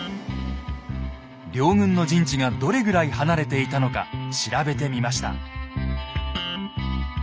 両軍の陣地がどれぐらい離れていたのか調べてみました。